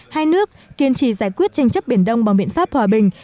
hai nước kiên trì giải quyết tranh chấp biển đông bằng biện pháp hòa bình